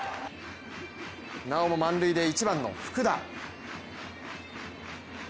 なおも満塁で１番の福田。